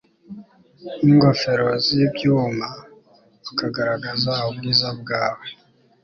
n ingofero z ibyuma bakagaragaza ubwiza bwawe